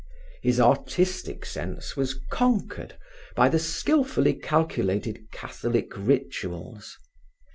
His artistic sense was conquered by the skillfully calculated Catholic rituals.